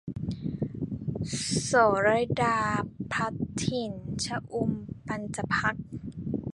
โศรดาพลัดถิ่น - ชอุ่ม ปํญจพรรค์